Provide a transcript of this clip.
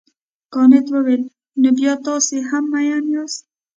کانت وویل نو بیا تاسي هم مین یاست.